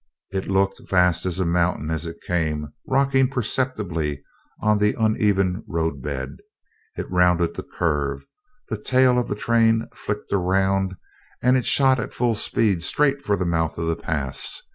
It looked vast as a mountain as it came, rocking perceptibly on the uneven roadbed. It rounded the curve, the tail of the train flicked around, and it shot at full speed straight for the mouth of the pass.